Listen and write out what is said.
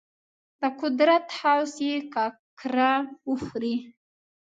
د قدرت هوس یې ککره وخوري.